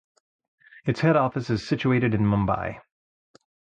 Its head-office is situated in Mumbai.